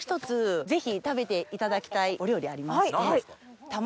ぜひ食べていただきたいお料理ありまして。